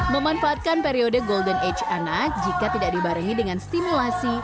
memanfaatkan periode golden age anak jika tidak dibarengi dengan stimulasi